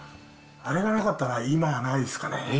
あれがなかったら今はないですかね。